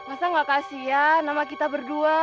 masa tidak kasih ya nama kita berdua